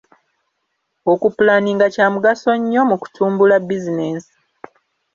Okupulaaninga kya mugaso nnyo mu kutumbula bizinensi.